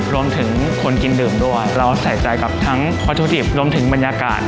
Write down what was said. รวมถึงคนกินดื่มด้วยเราใส่ใจกับทั้งวัตถุดิบรวมถึงบรรยากาศ